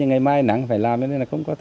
ngày mai nắng